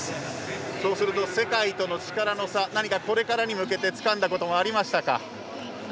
そうすると世界との力の差何かこれからに向けてつかんだこと、ありましたか？